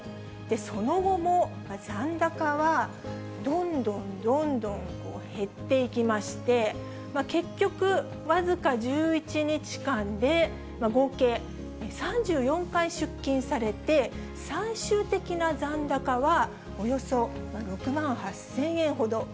その後も、残高はどんどんどんどん減っていきまして、結局、僅か１１日間で合計３４回出金されて、最終的な残高はおよそ６万８０００円ほど。